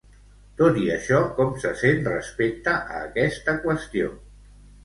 Tot i això, com se sent respecte a aquesta qüestió?